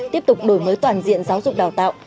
tiếp tục đổi mới toàn diện giáo dục đào tạo